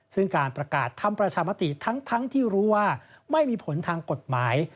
ซึ่งการประกาศทำประชามติทั้งที่รู้ว่าไม่มีผลทางกฎหมาย